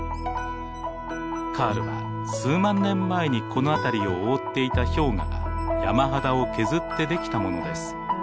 カールは数万年前にこの辺りを覆っていた氷河が山肌を削ってできたものです。